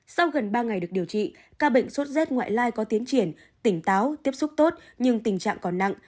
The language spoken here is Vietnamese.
sau gần ba ngày được điều trị ca bệnh sốt rét ngoại lai có tiến triển tỉnh táo tiếp xúc tốt nhưng tình trạng còn nặng